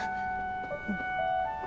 うん。